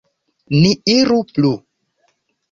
Ni iru plu.